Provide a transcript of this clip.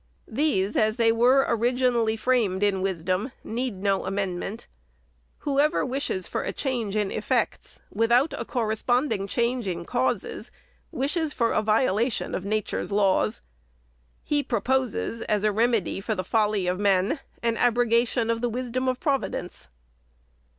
These, as they were originally framed in wisdom, need no amendment. Whoever wishes FIRST ANNUAL REPORT. 427 for a change in effects without a corresponding change in causes, wishes for a violation of Nature's laws. He pro poses, as a remedy for the folly of men, an abrogation of the wisdom of Providence.